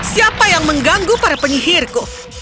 siapa yang mengganggu para penyihirku